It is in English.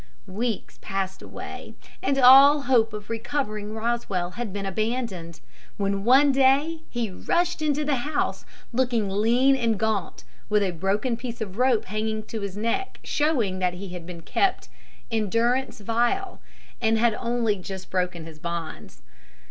Weeks passed away, and all hope of recovering Rosswell had been abandoned, when one day he rushed into the house, looking lean and gaunt, with a broken piece of rope hanging to his neck, showing that he had been kept "in durance vile," and had only just broken his bonds.